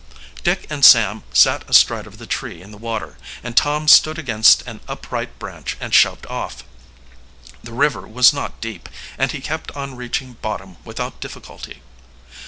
Dick and Sam sat astride of the tree in the water, and Tom stood against an upright branch and shoved off. The river was not deep, and he kept on reaching bottom without difficulty.